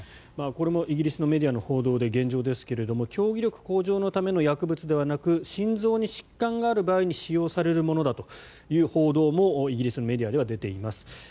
これもイギリスのメディアの報道で現状ですけども競技力向上のための薬物ではなく心臓に疾患がある場合に使用されるものだという報道もイギリスのメディアでは出ています。